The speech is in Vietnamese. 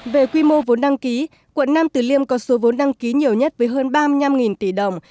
về quy mô vốn đăng ký quận nam tử liêm có số vốn đăng ký nhiều nhất với hơn ba mươi năm tỷ đồng